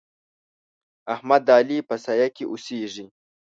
احمد د علي په سايه کې اوسېږي.